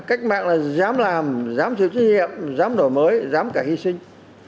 cách mạng là dám làm dám chịu trách nhiệm dám đổi mới dám cả hy sinh